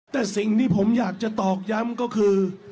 แต่สิ่งที่ผมอยากจะตอกย้ำก็คือ